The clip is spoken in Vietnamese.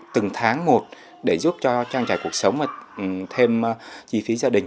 đáng một để giúp cho trang trải cuộc sống và thêm chi phí gia đình